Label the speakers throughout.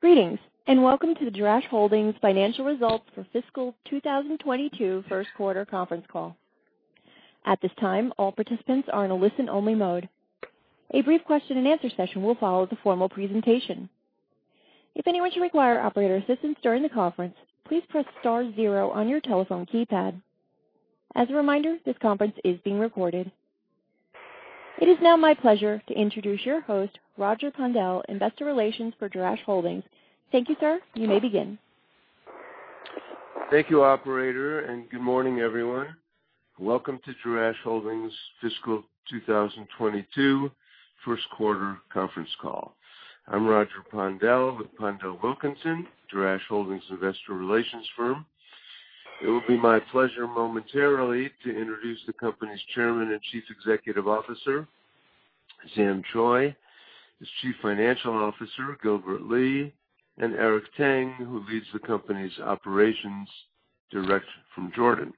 Speaker 1: Greetings, welcome to the Jerash Holdings Financial Results for fiscal 2022 first quarter conference call. At this time, all participants are in a listen-only mode. A brief question and answer session will follow the formal presentation. If anyone should require operator assistance during the conference, please press star zero on your telephone keypad. As a reminder, this conference is being recorded. It is now my pleasure to introduce your host, Roger Pondel, investor relations for Jerash Holdings. Thank you, sir. You may begin.
Speaker 2: Thank you, operator, and good morning, everyone. Welcome to Jerash Holdings Fiscal 2022 First quarter conference call. I'm Roger Pondel with PondelWilkinson, Jerash Holdings investor relations firm. It will be my pleasure momentarily to introduce the company's chairman and chief executive officer, Sam Choi, his chief financial officer, Gilbert Lee, and Eric Tang, who leads the company's operations direct from Jordan.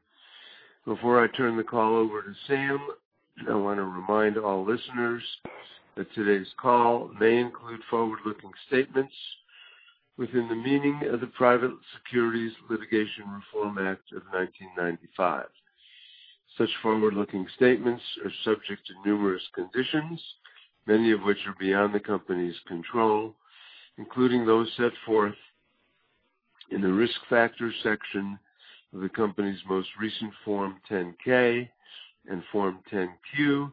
Speaker 2: Before I turn the call over to Sam, I want to remind all listeners that today's call may include forward-looking statements within the meaning of the Private Securities Litigation Reform Act of 1995. Such forward-looking statements are subject to numerous conditions, many of which are beyond the company's control, including those set forth in the risk factors section of the company's most recent Form 10-K and Form 10-Q,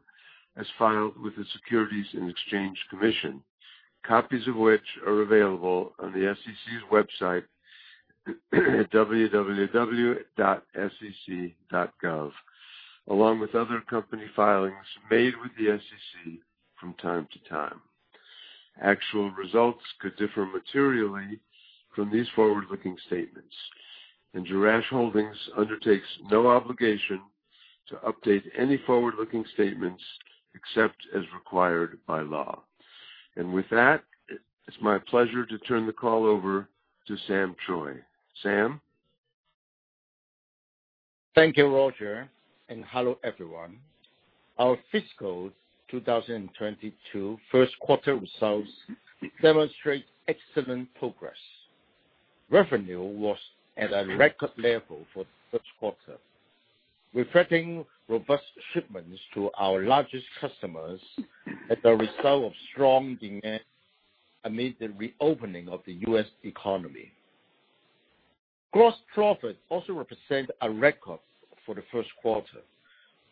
Speaker 2: as filed with the Securities and Exchange Commission. Copies of which are available on the SEC's website at www.sec.gov, along with other company filings made with the SEC from time to time. Actual results could differ materially from these forward-looking statements. Jerash Holdings undertakes no obligation to update any forward-looking statements except as required by law. With that, it's my pleasure to turn the call over to Sam Choi. Sam?
Speaker 3: Thank you, Roger, and hello, everyone. Our fiscal 2022 first quarter results demonstrate excellent progress. Revenue was at a record level for the first quarter, reflecting robust shipments to our largest customers as a result of strong demand amid the reopening of the U.S. economy. Gross profit also represent a record for the first quarter,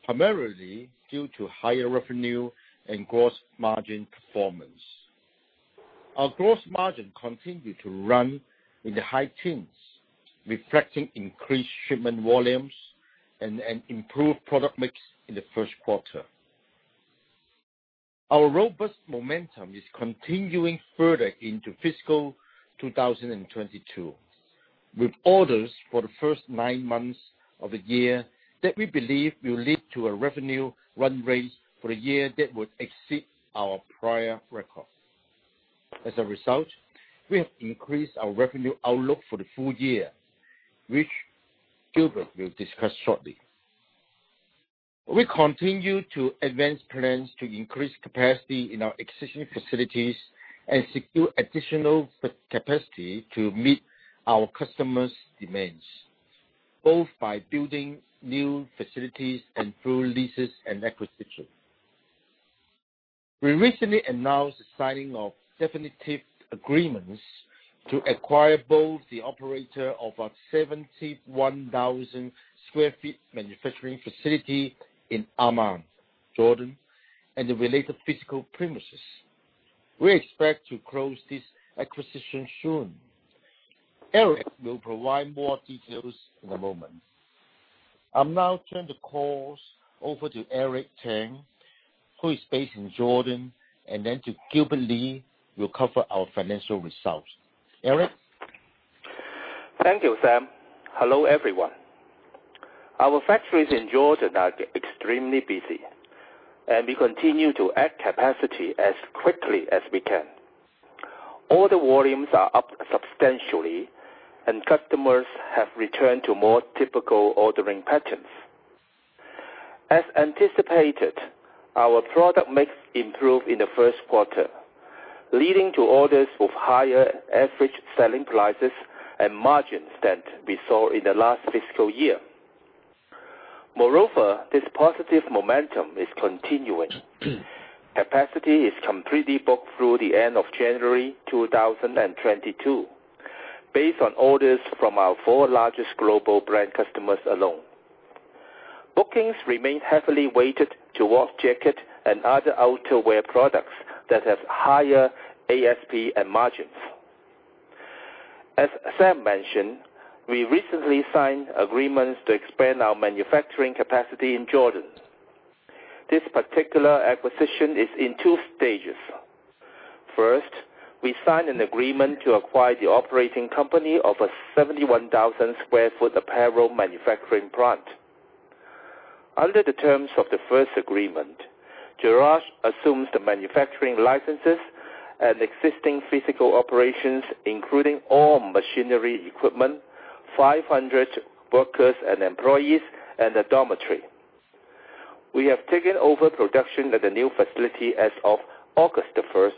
Speaker 3: primarily due to higher revenue and gross margin performance. Our gross margin continued to run in the high teens, reflecting increased shipment volumes and an improved product mix in the first quarter. Our robust momentum is continuing further into fiscal 2022, with orders for the first nine months of the year that we believe will lead to a revenue run rate for the year that would exceed our prior record. As a result, we have increased our revenue outlook for the full year, which Gilbert will discuss shortly. We continue to advance plans to increase capacity in our existing facilities and secure additional capacity to meet our customers' demands, both by building new facilities and through leases and acquisitions. We recently announced the signing of definitive agreements to acquire both the operator of our 71,000 sq ft manufacturing facility in Amman, Jordan, and the related physical premises. We expect to close this acquisition soon. Eric will provide more details in a moment. I'll now turn the call over to Eric Tang, who is based in Jordan, and then to Gilbert Lee, who will cover our financial results. Eric?
Speaker 4: Thank you, Sam. Hello, everyone. Our factories in Jordan are extremely busy, and we continue to add capacity as quickly as we can. Order volumes are up substantially, and customers have returned to more typical ordering patterns. As anticipated, our product mix improved in the first quarter, leading to orders with higher average selling prices and margins than we saw in the last fiscal year. Moreover, this positive momentum is continuing. Capacity is completely booked through the end of January 2022. Based on orders from our four largest global brand customers alone. Bookings remain heavily weighted towards jacket and other outerwear products that have higher ASP and margins. As Sam mentioned, we recently signed agreements to expand our manufacturing capacity in Jordan. This particular acquisition is in two stages. First, we signed an agreement to acquire the operating company of a 71,000-square-foot apparel manufacturing plant. Under the terms of the first agreement, Jerash assumes the manufacturing licenses and existing physical operations, including all machinery equipment, 500 workers and employees, and the dormitory. We have taken over production at the new facility as of August 1st,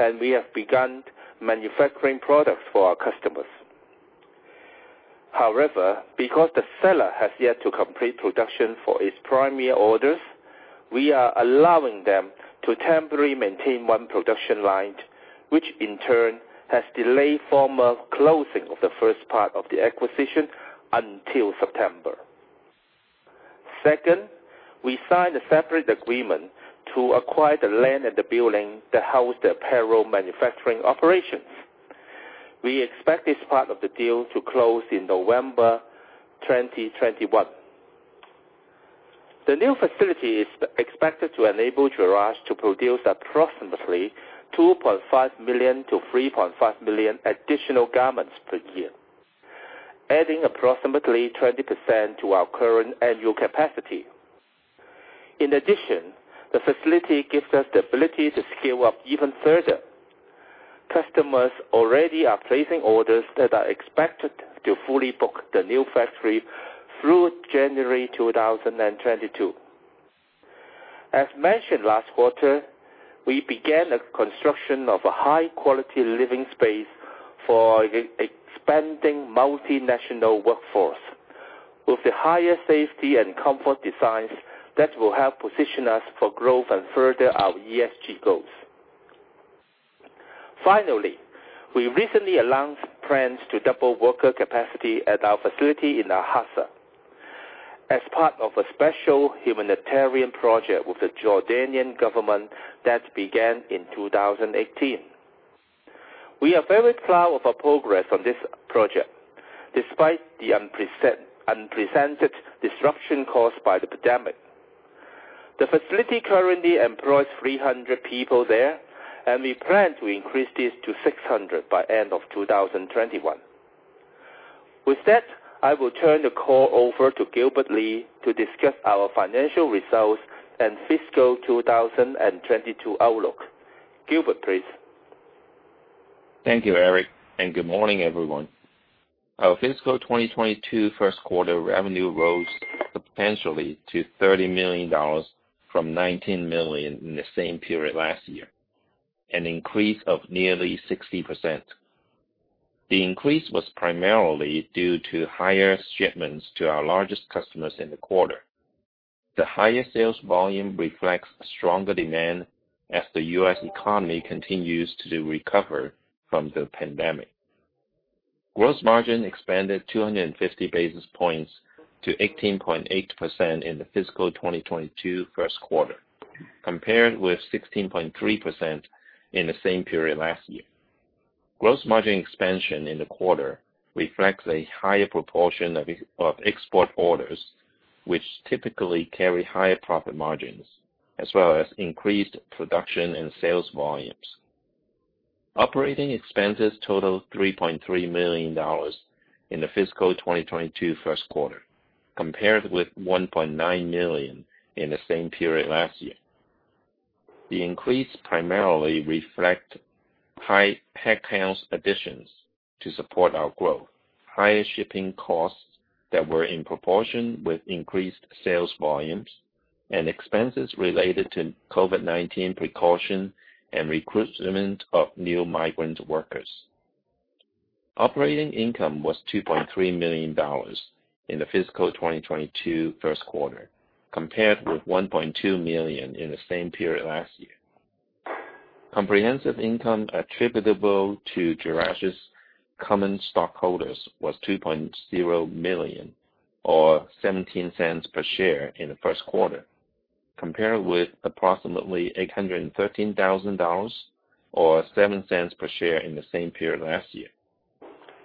Speaker 4: and we have begun manufacturing products for our customers. However, because the seller has yet to complete production for its primary orders, we are allowing them to temporarily maintain one production line, which in turn has delayed formal closing of the first part of the acquisition until September. Second, we signed a separate agreement to acquire the land and the building that house the apparel manufacturing operations. We expect this part of the deal to close in November 2021. The new facility is expected to enable Jerash to produce approximately $2.5 million-$3.5 million additional garments per year, adding approximately 20% to our current annual capacity. In addition, the facility gives us the ability to scale up even further. Customers already are placing orders that are expected to fully book the new factory through January 2022. As mentioned last quarter, we began a construction of a high-quality living space for expanding multinational workforce with the highest safety and comfort designs that will help position us for growth and further our ESG goals. Finally, we recently announced plans to double worker capacity at our facility in Irbid as part of a special humanitarian project with the Jordanian government that began in 2018. We are very proud of our progress on this project, despite the unprecedented disruption caused by the pandemic. The facility currently employs 300 people there, and we plan to increase this to 600 by end of 2021. With that, I will turn the call over to Gilbert Lee to discuss our financial results and fiscal 2022 outlook. Gilbert, please.
Speaker 5: Thank you, Eric, and good morning, everyone. Our fiscal 2022 first quarter revenue rose substantially to $30 million from $19 million in the same period last year, an increase of nearly 60%. The increase was primarily due to higher shipments to our largest customers in the quarter. The higher sales volume reflects stronger demand as the U.S. economy continues to recover from the pandemic. Gross margin expanded 250 basis points to 18.8% in the fiscal 2022 first quarter, compared with 16.3% in the same period last year. Gross margin expansion in the quarter reflects a higher proportion of export orders, which typically carry higher profit margins, as well as increased production and sales volumes. Operating expenses totaled $3.3 million in the fiscal 2022 first quarter, compared with $1.9 million in the same period last year. The increase primarily reflect high headcount additions to support our growth, higher shipping costs that were in proportion with increased sales volumes, and expenses related to COVID-19 precaution and recruitment of new migrant workers. Operating income was $2.3 million in the fiscal 2022 first quarter, compared with $1.2 million in the same period last year. Comprehensive income attributable to Jerash's common stockholders was $2.0 million or $0.17 per share in the first quarter, compared with approximately $813,000 or $0.07 per share in the same period last year.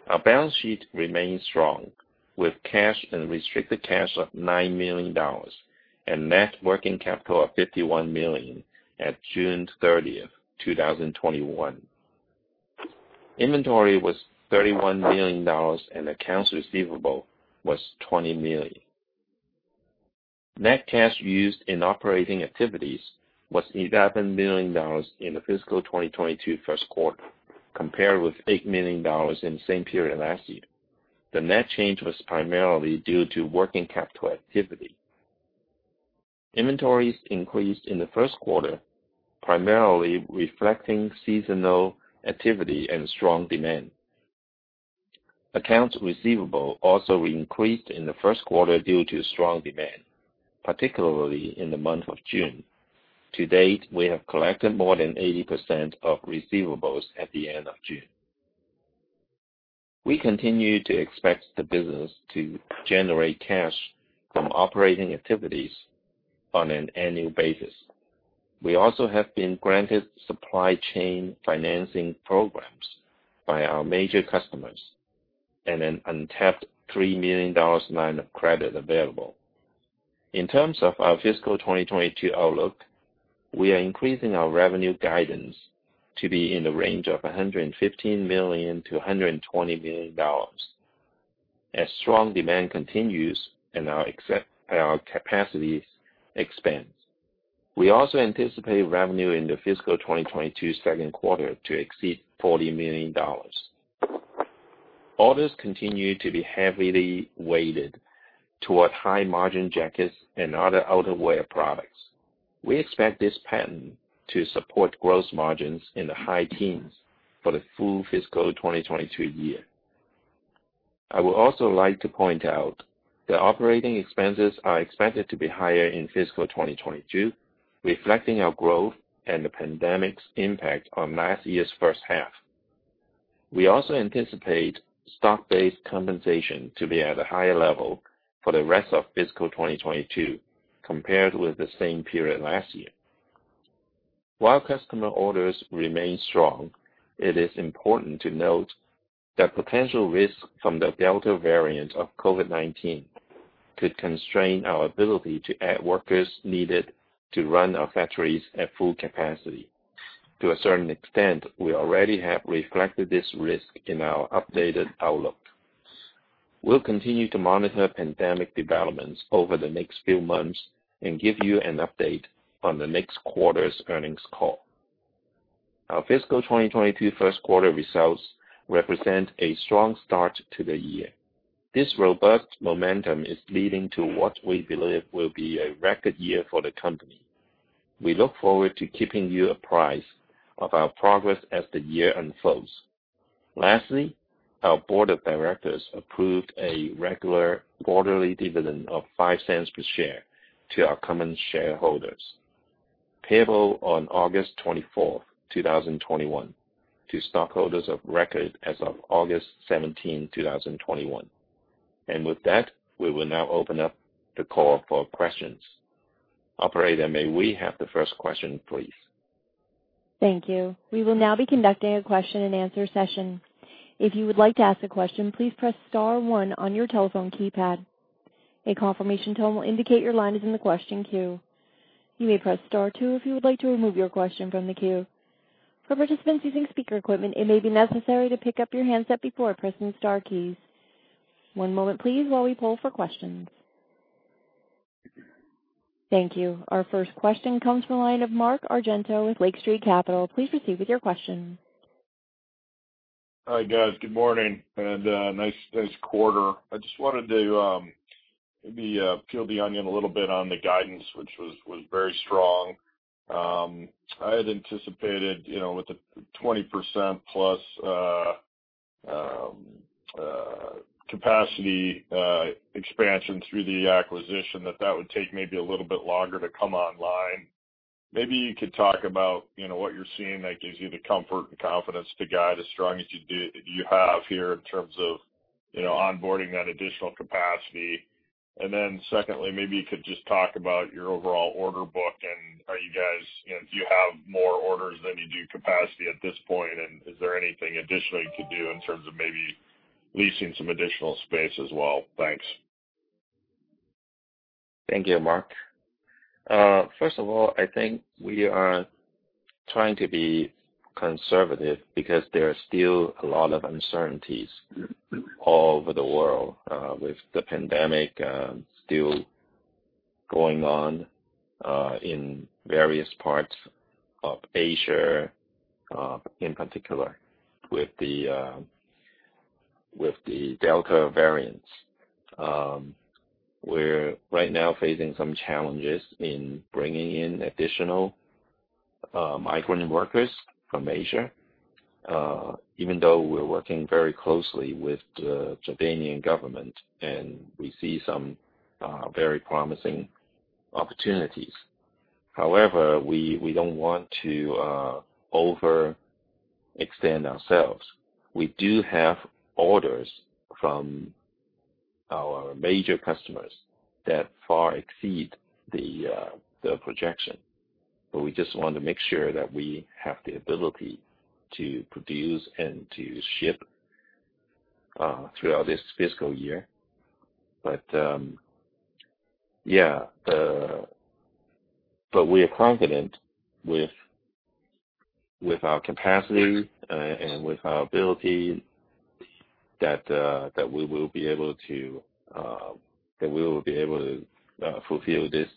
Speaker 5: Our balance sheet remains strong with cash and restricted cash of $9 million and net working capital of $51 million at June 30th, 2021. Inventory was $31 million, and accounts receivable was $20 million. Net cash used in operating activities was $11 million in the fiscal 2022 first quarter, compared with $8 million in the same period last year. The net change was primarily due to working capital activity. Inventories increased in the first quarter, primarily reflecting seasonal activity and strong demand. Accounts receivable also increased in the first quarter due to strong demand, particularly in the month of June. To date, we have collected more than 80% of receivables at the end of June. We continue to expect the business to generate cash from operating activities on an annual basis. We also have been granted supply chain financing programs by our major customers and an untapped $3 million line of credit available. In terms of our fiscal 2022 outlook, we are increasing our revenue guidance to be in the range of $115 million-$120 million as strong demand continues and our capacities expands. We also anticipate revenue in the fiscal 2022 second quarter to exceed $40 million. Orders continue to be heavily weighted toward high-margin jackets and other outerwear products. We expect this pattern to support gross margins in the high teens for the full fiscal 2023 year. I would also like to point out that operating expenses are expected to be higher in fiscal 2022, reflecting our growth and the pandemic's impact on last year's first half. We also anticipate stock-based compensation to be at a higher level for the rest of fiscal 2022 compared with the same period last year. While customer orders remain strong, it is important to note that potential risks from the Delta variant of COVID-19 could constrain our ability to add workers needed to run our factories at full capacity. To a certain extent, we already have reflected this risk in our updated outlook. We'll continue to monitor pandemic developments over the next few months and give you an update on the next quarter's earnings call. Our fiscal 2023 first quarter results represent a strong start to the year. This robust momentum is leading to what we believe will be a record year for the company. We look forward to keeping you apprised of our progress as the year unfolds. Lastly, our board of directors approved a regular quarterly dividend of $0.05 per share to our common shareholders, payable on August 24, 2021, to stockholders of record as of August 17, 2021. With that, we will now open up the call for questions. Operator, may we have the first question, please?
Speaker 1: Thank you. We will now be conducting a question and answer session. Our first question comes from the line of Mark Argento with Lake Street Capital. Please proceed with your question.
Speaker 6: Hi, guys. Good morning, and nice quarter. I just wanted to maybe peel the onion a little bit on the guidance, which was very strong. I had anticipated, with the 20% plus capacity expansion through the acquisition, that that would take maybe a little bit longer to come online. Maybe you could talk about what you're seeing that gives you the comfort and confidence to guide as strong as you have here in terms of onboarding that additional capacity. Secondly, maybe you could just talk about your overall order book, and do you have more orders than you do capacity at this point? Is there anything additional you could do in terms of maybe leasing some additional space as well? Thanks.
Speaker 5: Thank you, Mark. First of all, I think we are trying to be conservative because there are still a lot of uncertainties all over the world with the pandemic still going on in various parts of Asia, in particular with the Delta variant. We're right now facing some challenges in bringing in additional migrant workers from Asia, even though we're working very closely with the Jordanian government, and we see some very promising opportunities. We don't want to overextend ourselves. We do have orders from our major customers that far exceed the projection, we just want to make sure that we have the ability to produce and to ship throughout this fiscal year. We are confident with our capacity and with our ability that we will be able to fulfill this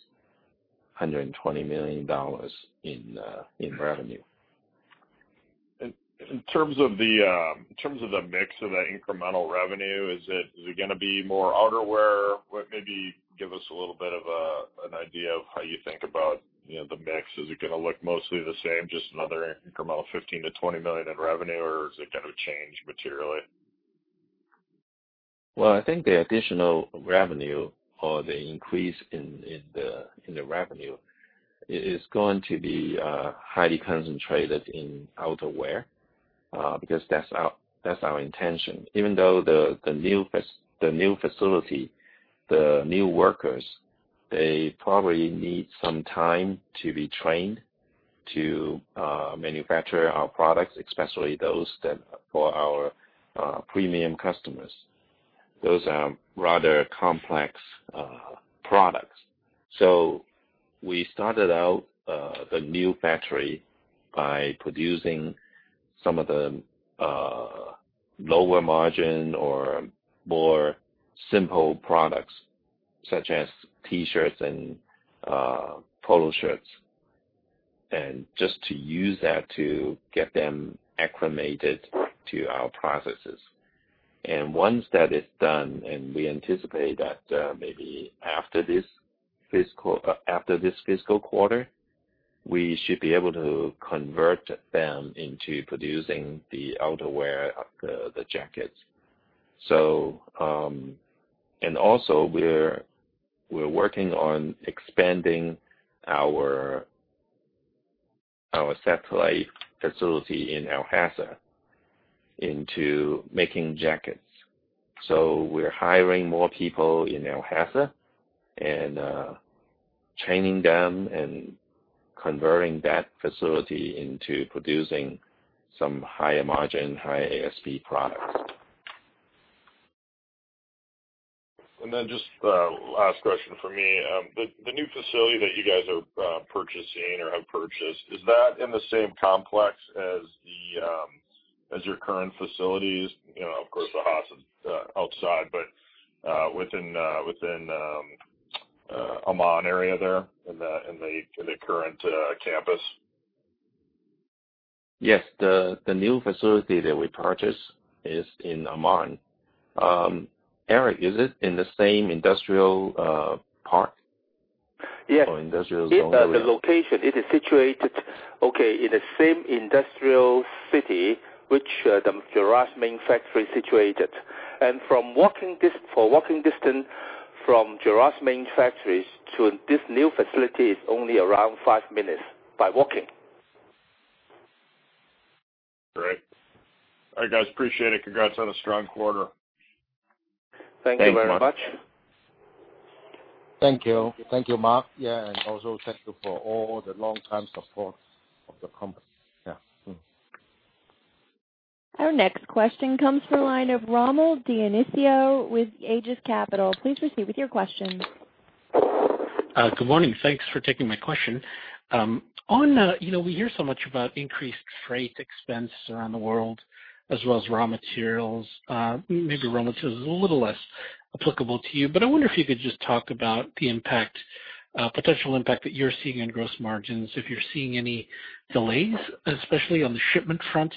Speaker 5: $120 million in revenue.
Speaker 6: In terms of the mix of the incremental revenue, is it going to be more outerwear? Maybe give us a little bit of an idea of how you think about the mix. Is it going to look mostly the same, just another incremental $15 million-$20 million in revenue, or is it going to change materially?
Speaker 5: I think the additional revenue or the increase in the revenue is going to be highly concentrated in outerwear because that's our intention. Even though the new facility, the new workers, they probably need some time to be trained to manufacture our products, especially those for our premium customers. Those are rather complex products. We started out the new factory by producing some of the lower margin or more simple products, such as T-shirts and polo shirts. Just to use that to get them acclimated to our processes. Once that is done, and we anticipate that maybe after this fiscal quarter, we should be able to convert them into producing the outerwear of the jackets. Also, we are working on expanding our satellite facility in Al-Hasa into making jackets. We are hiring more people in Al-Hasa and training them and converting that facility into producing some higher margin, higher ASP products.
Speaker 6: Just the last question from me. The new facility that you guys are purchasing or have purchased, is that in the same complex as your current facilities? Of course, Al-Hasa is outside, but within Amman area there, in the current campus?
Speaker 5: Yes. The new facility that we purchased is in Amman. Eric, is it in the same industrial park?
Speaker 4: Yes.
Speaker 5: Industrial zone area.
Speaker 4: The location, it is situated in the same industrial city which the Jerash main factory is situated. For walking distance from Jerash main factory to this new facility is only around five minutes by walking.
Speaker 6: Great. All right, guys. Appreciate it. Congrats on a strong quarter.
Speaker 4: Thank you very much.
Speaker 5: Thanks, Mark.
Speaker 4: Thank you.
Speaker 5: Thank you, Mark. Yeah, also thank you for all the long-time support of the company. Yeah.
Speaker 1: Our next question comes from the line of Rommel Dionisio with Aegis Capital. Please proceed with your question.
Speaker 7: Good morning. Thanks for taking my question. We hear so much about increased freight expense around the world, as well as raw materials. Maybe raw materials is a little less applicable to you, but I wonder if you could just talk about the potential impact that you're seeing on gross margins, if you're seeing any delays, especially on the shipment front.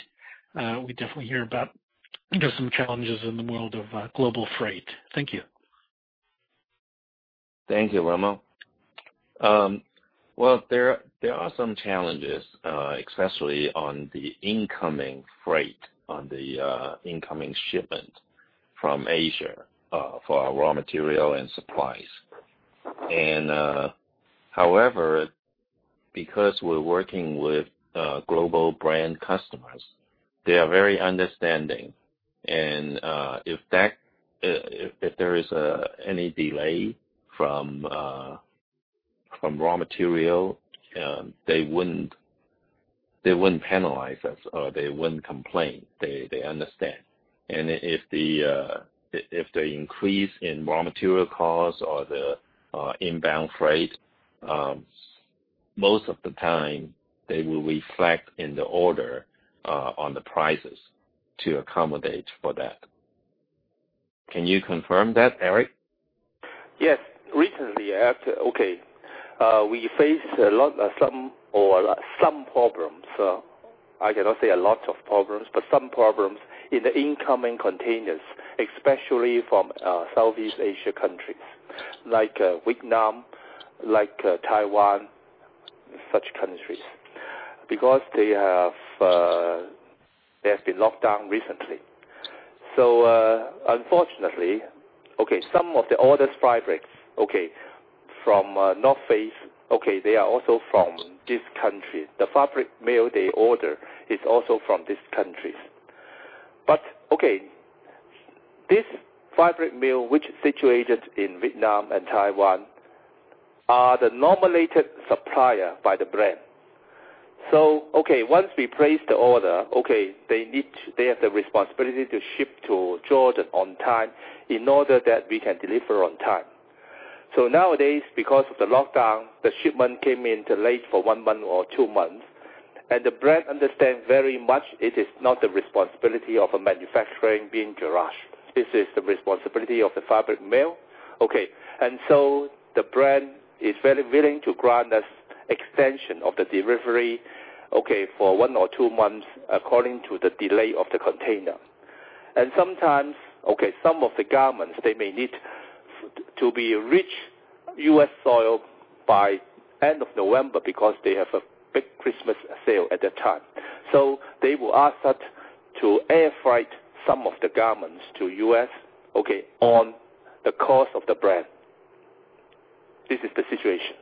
Speaker 7: We definitely hear about some challenges in the world of global freight. Thank you.
Speaker 5: Thank you, Rommel. Well, there are some challenges, especially on the incoming freight, on the incoming shipment from Asia for our raw material and supplies. However, because we're working with global brand customers, they are very understanding, and if there is any delay from raw material, they wouldn't penalize us or they wouldn't complain. They understand. If the increase in raw material costs or the inbound freight, most of the time they will reflect in the order on the prices to accommodate for that. Can you confirm that, Eric?
Speaker 4: Yes. Recently, we faced some problems. I cannot say a lot of problems, but some problems in the incoming containers, especially from Southeast Asia countries like Vietnam, like Taiwan, such countries, because they have been locked down recently. Unfortunately, some of the orders fabrics from The North Face, they are also from these countries. The fabric mill they order is also from these countries. These fabric mills, which are situated in Vietnam and Taiwan, are the nominated supplier by the brand. Once we place the order, they have the responsibility to ship to Jordan on time in order that we can deliver on time. Nowadays, because of the lockdown, the shipment came in late for one month or two months. The brand understands very much it is not the responsibility of a manufacturing being Jerash. This is the responsibility of the fabric mill. Okay. The brand is very willing to grant us extension of the delivery for one or two months according to the delay of the container. Sometimes, some of the garments, they may need to reach U.S. soil by end of November because they have a big Christmas sale at that time. They will ask us to air freight some of the garments to U.S. on the cost of the brand. This is the situation.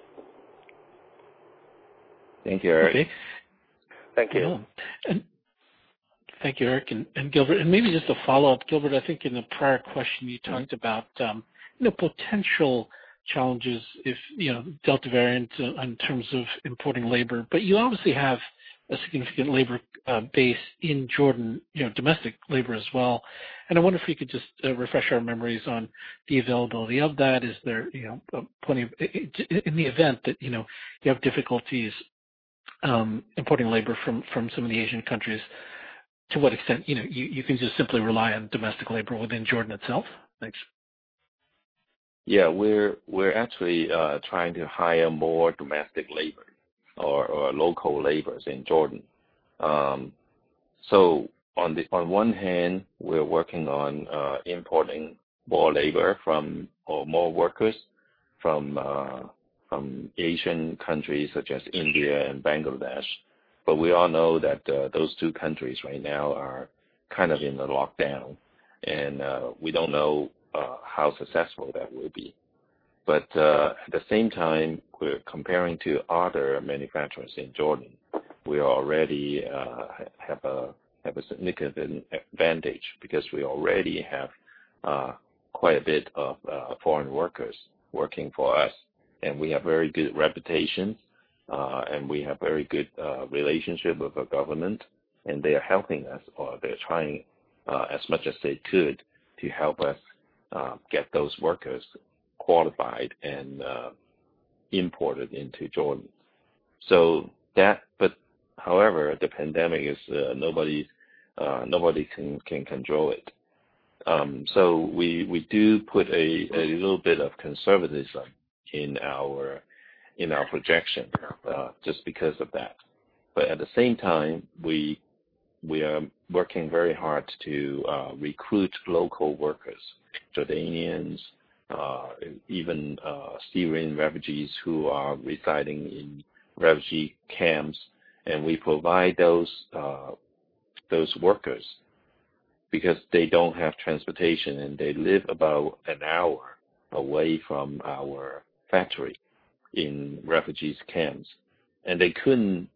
Speaker 5: Thank you, Eric.
Speaker 4: Thank you.
Speaker 7: Thank you, Eric and Gilbert. Maybe just a follow-up, Gilbert. I think in the prior question you talked about the potential challenges if Delta variant in terms of importing labor, but you obviously have a significant labor base in Jordan, domestic labor as well. I wonder if you could just refresh our memories on the availability of that. In the event that you have difficulties importing labor from some of the Asian countries, to what extent you can just simply rely on domestic labor within Jordan itself? Thanks.
Speaker 5: We're actually trying to hire more domestic labor or local labors in Jordan. On one hand, we're working on importing more workers from Asian countries such as India and Bangladesh. We all know that those two countries right now are kind of in the lockdown, and we don't know how successful that will be. At the same time, comparing to other manufacturers in Jordan, we already have a significant advantage because we already have quite a bit of foreign workers working for us. We have very good reputation, and we have very good relationship with the government, and they're helping us, or they're trying as much as they could to help us get those workers qualified and imported into Jordan. However, the pandemic, nobody can control it. We do put a little bit of conservatism in our projection, just because of that. At the same time, we are working very hard to recruit local workers, Jordanians, even Syrian refugees who are residing in refugee camps. We provide those workers, because they don't have transportation, and they live about one hour away from our factory in refugees camps. They couldn't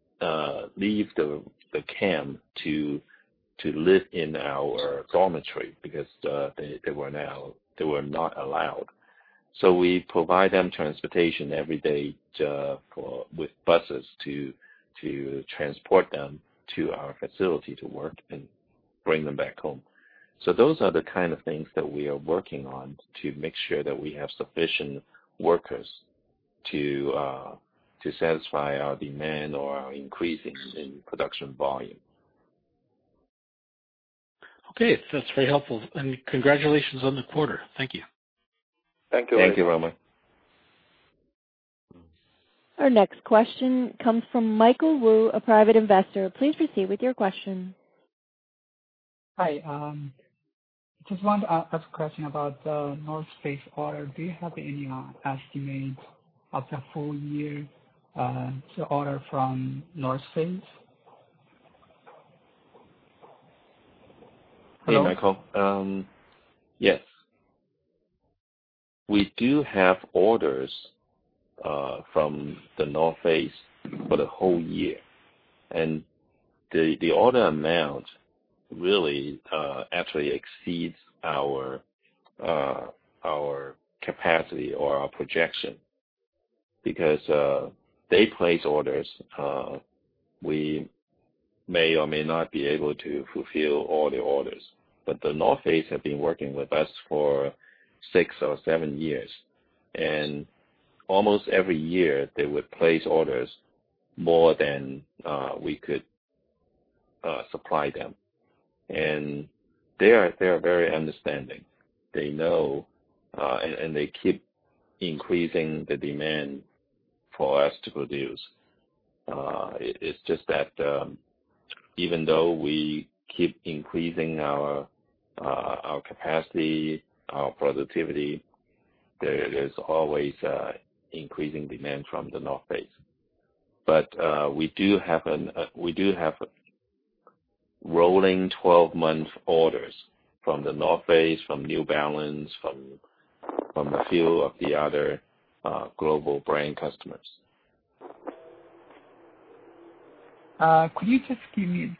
Speaker 5: leave the camp to live in our dormitory because they were not allowed. We provide them transportation every day with buses to transport them to our facility to work and bring them back home. Those are the kind of things that we are working on to make sure that we have sufficient workers to satisfy our demand or our increase in production volume.
Speaker 7: Okay. That's very helpful. Congratulations on the quarter. Thank you.
Speaker 5: Thank you. Thank you, Rommel Dionisio.
Speaker 1: Our next question comes from Michael Wu, a private investor. Please proceed with your question.
Speaker 8: Hi. Just want to ask a question about The North Face order. Do you have any estimate of the full year order from The North Face?
Speaker 5: Hello, Michael. Yes. We do have orders from The North Face for the whole year. The order amount really actually exceeds our capacity or our projection. Because they place orders, we may or may not be able to fulfill all the orders. The North Face have been working with us for six or seven years. Almost every year, they would place orders more than we could supply them. They are very understanding. They know, and they keep increasing the demand for us to produce. It's just that, even though we keep increasing our capacity, our productivity, there is always increasing demand from The North Face. We do have rolling 12-month orders from The North Face, from New Balance, from a few of the other global brand customers.
Speaker 8: Could you just give me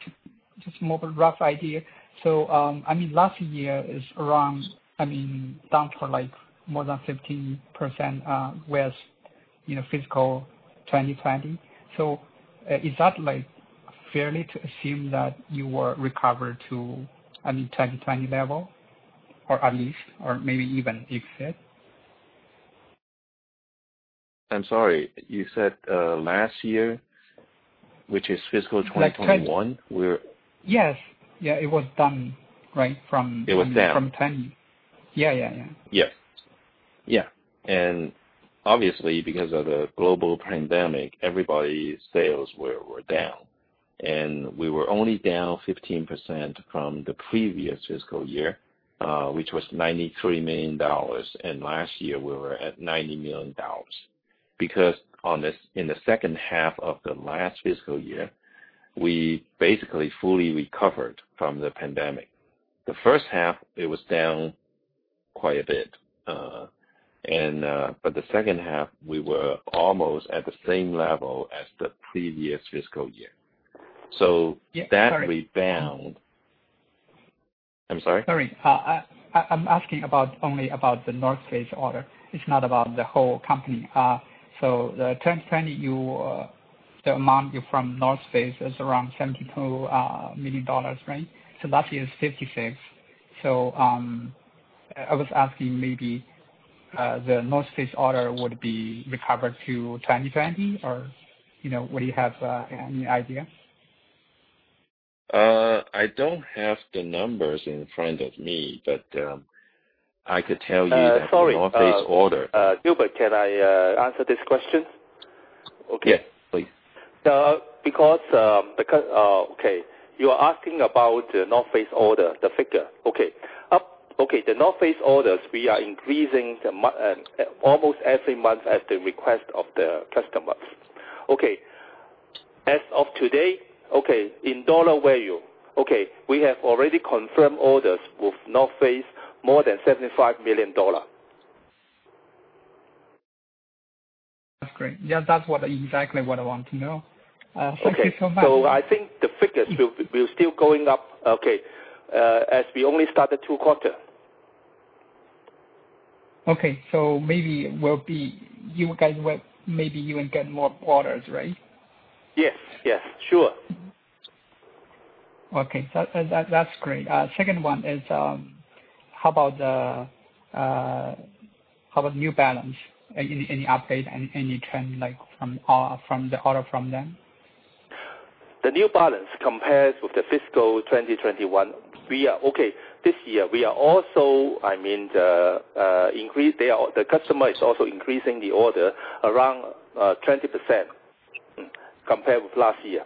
Speaker 8: just more of a rough idea? Last year is down for more than 15% with fiscal 2020. Is that fair to assume that you will recover to 2020 level, or at least, or maybe even exceed?
Speaker 5: I'm sorry. You said, last year, which is fiscal 2021?
Speaker 8: Last year. Yes. It was down right.
Speaker 5: It was down.
Speaker 8: from 2020. Yeah.
Speaker 5: Yes. Obviously, because of the global pandemic, everybody's sales were down. We were only down 15% from the previous fiscal year, which was $93 million, and last year, we were at $90 million. Because in the second half of the last fiscal year, we basically fully recovered from the pandemic. The first half, it was down quite a bit. The second half, we were almost at the same level as the previous fiscal year. That rebound.
Speaker 8: Yeah. Sorry.
Speaker 5: I'm sorry?
Speaker 8: Sorry. I'm asking only about The North Face order. It's not about the whole company. The 2020, the amount from The North Face is around $72 million, right? Last year is $56 million. I was asking maybe, The North Face order would be recovered to 2020, or would you have any idea?
Speaker 5: I don't have the numbers in front of me, but I could tell you that.
Speaker 4: Sorry.
Speaker 5: The North Face order.
Speaker 4: Gilbert, can I answer this question?
Speaker 5: Okay. Yeah, please.
Speaker 4: You are asking about The North Face order, the figure. Okay. The North Face orders, we are increasing almost every month at the request of the customers. Okay. As of today, in dollar value, we have already confirmed orders with The North Face more than $75 million.
Speaker 8: That's great. Yeah, that's exactly what I want to know. Thank you so much.
Speaker 4: I think the figures will still going up as we only started two quarter.
Speaker 8: Okay. maybe you guys will even get more orders, right?
Speaker 4: Yes. Sure.
Speaker 8: Okay. That's great. Second one is, how about New Balance? Any update and any trend from the order from them?
Speaker 4: The New Balance, compared with the fiscal 2021, this year, the customer is also increasing the order around 20% compared with last year.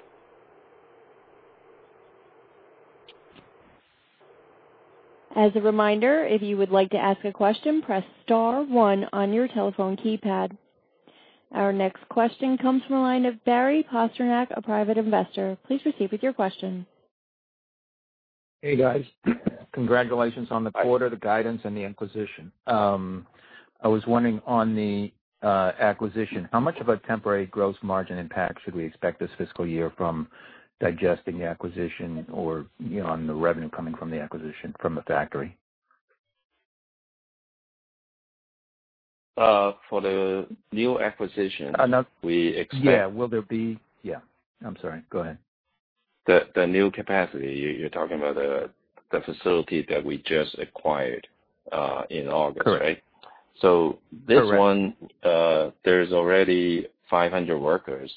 Speaker 1: As a reminder, if you would like to ask a question, press star one on your telephone keypad. Our next question comes from the line of Barry Posternak, a private investor. Please proceed with your question.
Speaker 9: Hey, guys. Congratulations on the quarter, the guidance, and the acquisition. I was wondering, on the acquisition, how much of a temporary gross margin impact should we expect this fiscal year from digesting the acquisition or on the revenue coming from the acquisition from the factory?
Speaker 5: For the new acquisition.
Speaker 9: No.
Speaker 5: We expect.
Speaker 9: Yeah. I'm sorry. Go ahead.
Speaker 5: The new capacity, you're talking about the facility that we just acquired in August, right?
Speaker 9: Correct.
Speaker 5: This one, there is already 500 workers,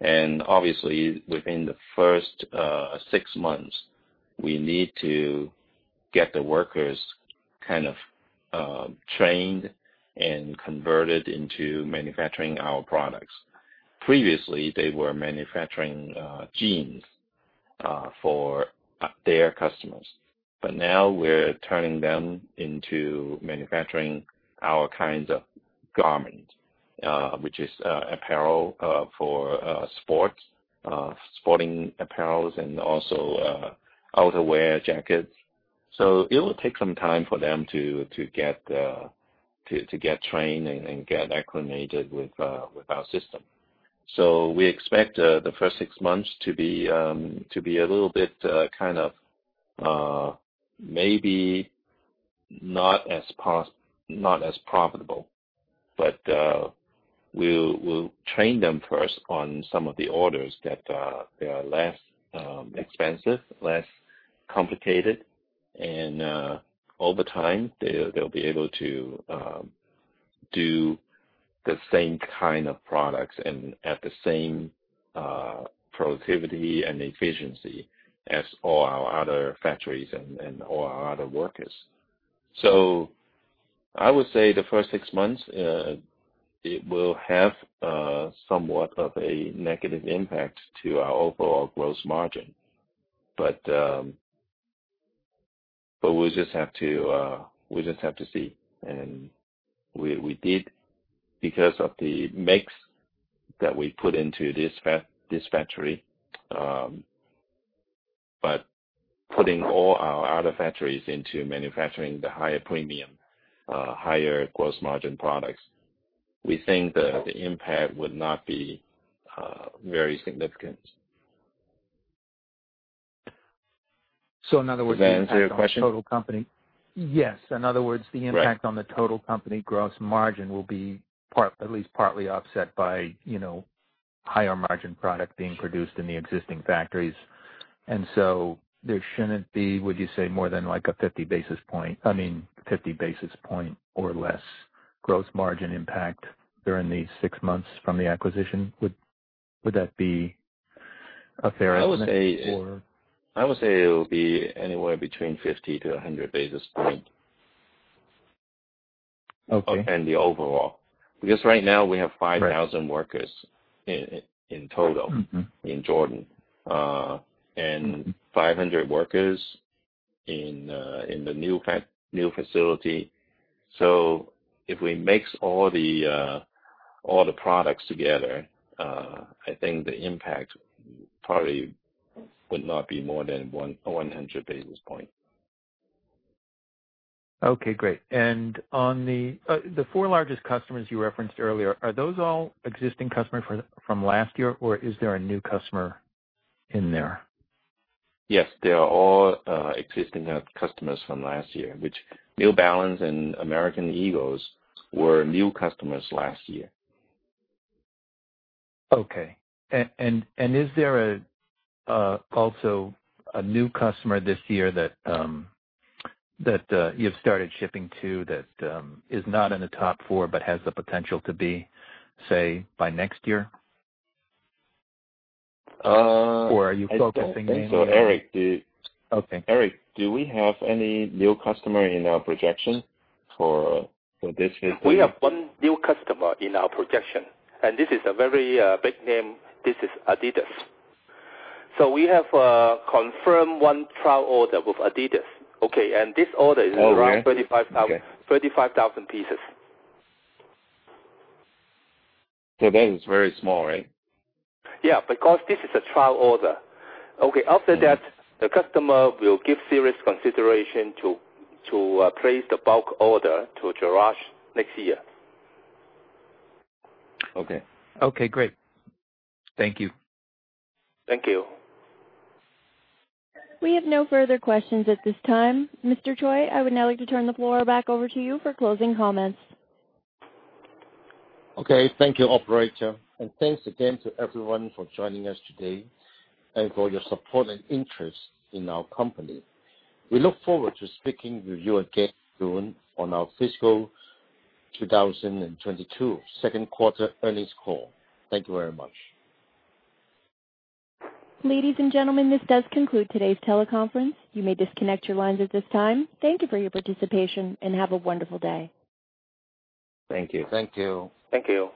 Speaker 5: and obviously, within the first six months, we need to get the workers trained and converted into manufacturing our products. Previously, they were manufacturing jeans for their customers. Now we're turning them into manufacturing our kinds of garment, which is apparel for sports, sporting apparels, and also outerwear jackets. It will take some time for them to get trained and get acclimated with our system. We expect the first six months to be a little bit, maybe not as profitable. We'll train them first on some of the orders that are less expensive, less complicated. Over time, they'll be able to do the same kind of products and at the same productivity and efficiency as all our other factories and all our other workers. I would say the first six months, it will have somewhat of a negative impact to our overall gross margin. We'll just have to see. We did because of the mix that we put into this factory. Putting all our other factories into manufacturing the higher premium, higher gross margin products, we think the impact would not be very significant.
Speaker 9: In other words.
Speaker 5: Does that answer your question?
Speaker 9: Yes.
Speaker 5: Right.
Speaker 9: The impact on the total company gross margin will be at least partly offset by higher margin product being produced in the existing factories. There shouldn't be, would you say, more than a 50 basis point or less gross margin impact during these six months from the acquisition? Would that be a fair estimate?
Speaker 5: I would say it will be anywhere between 50 to 100 basis point.
Speaker 9: Okay.
Speaker 5: In the overall, right now we have 5,000 workers in total in Jordan. 500 workers in the new facility. If we mix all the products together, I think the impact probably would not be more than 100 basis points.
Speaker 9: Okay, great. On the four largest customers you referenced earlier, are those all existing customers from last year, or is there a new customer in there?
Speaker 5: Yes, they are all existing customers from last year. New Balance and American Eagle were new customers last year.
Speaker 9: Okay. Is there also a new customer this year that you've started shipping to that is not in the top four but has the potential to be, say, by next year?
Speaker 5: Uh.
Speaker 9: Or are you focusing in.
Speaker 5: Eric.
Speaker 9: Okay.
Speaker 5: Eric, do we have any new customer in our projection for this fiscal year?
Speaker 4: We have one new customer in our projection, and this is a very big name. This is Adidas. We have confirmed one trial order with Adidas. Okay. This order is around 35,000 pieces.
Speaker 5: That is very small, right?
Speaker 4: Because this is a trial order. Okay. After that, the customer will give serious consideration to place the bulk order to Jerash next year.
Speaker 5: Okay.
Speaker 9: Okay, great. Thank you.
Speaker 4: Thank you.
Speaker 1: We have no further questions at this time. Mr. Choi, I would now like to turn the floor back over to you for closing comments.
Speaker 3: Okay. Thank you, operator. Thanks again to everyone for joining us today and for your support and interest in our company. We look forward to speaking with you again soon on our fiscal 2022 second quarter earnings call. Thank you very much.
Speaker 1: Ladies and gentlemen, this does conclude today's teleconference. You may disconnect your lines at this time. Thank you for your participation, and have a wonderful day.
Speaker 3: Thank you.
Speaker 5: Thank you.
Speaker 4: Thank you.